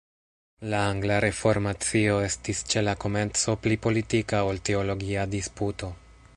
La angla reformacio estis ĉe la komenco pli politika ol teologia disputo.